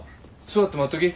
座って待っとき。